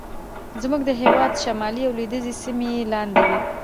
زموږ د هېواد شمالي او لوېدیځې سیمې یې لاندې وې.